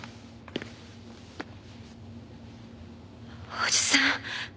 おじさん。